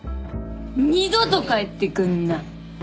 二度と帰ってくんな！